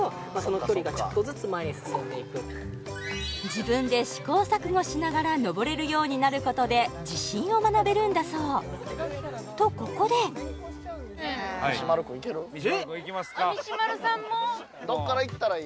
自分で試行錯誤しながら登れるようになることで自信を学べるんだそうとここでみし丸くんいきますか・みし丸さんも？